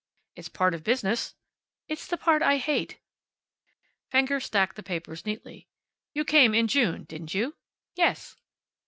"It's part of business." "It's the part I hate." Fenger stacked the papers neatly. "You came in June, didn't you?" "Yes."